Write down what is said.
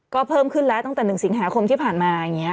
ก็เพิ่มขึ้นแล้วตั้งแต่๑สิงหาคมที่ผ่านมาอย่างนี้